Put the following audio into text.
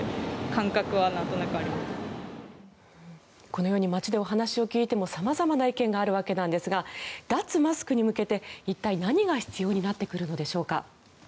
このように街でお話を聞いても様々な意見があるわけなんですが脱マスクに向けて一体何が必要になってくるのでしょうか。